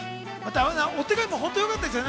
お手紙本当よかったですよね。